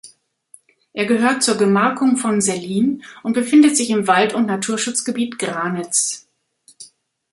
Er gehört zur Gemarkung von Sellin und befindet sich im Wald- und Naturschutzgebiet Granitz.